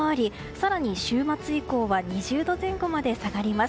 更に、週末以降は２０度前後まで下がります。